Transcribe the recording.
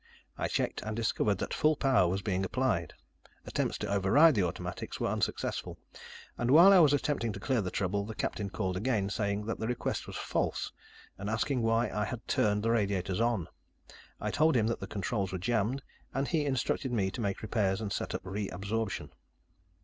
I checked and discovered that full power was being applied. Attempts to override the automatics were unsuccessful, and while I was attempting to clear the trouble, the captain called again, saying that the request was false, and asking why I had turned the radiators on. I told him that the controls were jammed, and he instructed me to make repairs and set up re absorption.